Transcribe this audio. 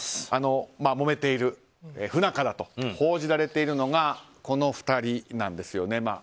もめている、不仲だと報じられているのがこの２人なんですよね。